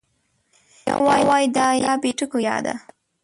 یو وای دا بې ټکو یا ده